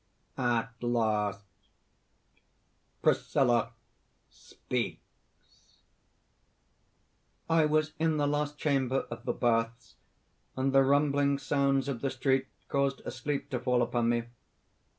At last_ ) PRISCILLA (speaks:) "I was in the last chamber of the baths; and the rumbling sounds of the street caused a sleep to fall upon me.